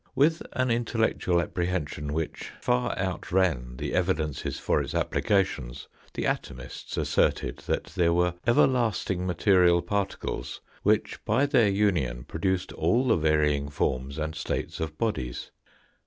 With an intellectual apprehension which far outran the evidences for its application, the atomists asserted that there were everlasting material particles, which, by their union, produced all the varying forms and states of bodies.